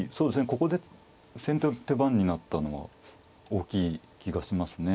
ここで先手の手番になったのは大きい気がしますね。